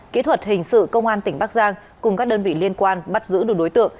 kỹ thuật hình sự công an tỉnh bắc giang cùng các đơn vị liên quan bắt giữ được đối tượng